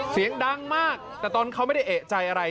เสียงดังมากแต่ตอนเขาไม่ได้เอกใจอะไร